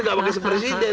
nggak pakai sepresiden